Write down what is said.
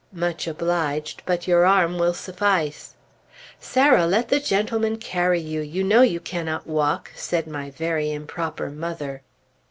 "Much obliged, but your arm will suffice." "Sarah, let the gentleman carry you! You know you cannot walk!" said my very improper mother.